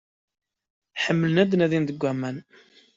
Ḥemmlen ad nadin deg aman.